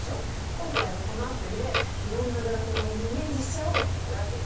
今回はこのアプリでいろんなグラフをイメージしちゃおうってわけ。